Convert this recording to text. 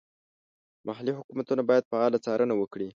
محلي حکومتونه باید فعاله څارنه وکړي.